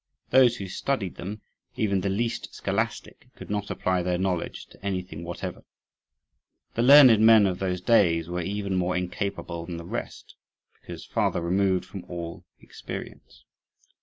Those who studied them, even the least scholastic, could not apply their knowledge to anything whatever. The learned men of those days were even more incapable than the rest, because farther removed from all experience.